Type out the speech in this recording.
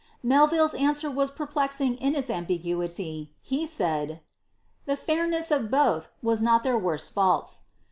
elville's answer was perplexing in its ambiguity, he said, ^ The fair of both wa>« not their worst faults."